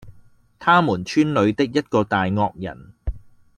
他們村裏的一個大惡人，